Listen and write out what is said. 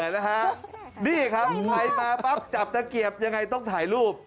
นี่ครับใครมาปั๊บจับตะเกียบยังไงต้องถ่ายรูป